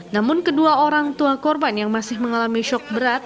namun kedua orang tua korban yang masih mengalami shock berat